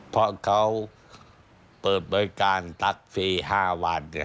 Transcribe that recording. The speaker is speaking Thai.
เพราะเขาเปิดบริการตักฟรี๕วัน